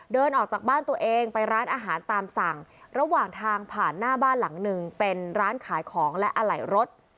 เดินออกจากบ้านตัวเองไปร้านอาหารตามสั่งระหว่างทางผ่านหน้าบ้านหลังหนึ่งเป็นร้านขายของและอะไหล่รถ